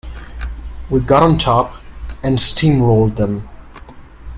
We got on top and steamrollered them.